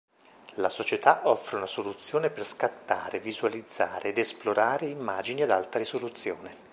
La società offre una soluzione per scattare, visualizzare ed esplorare immagini ad alta risoluzione.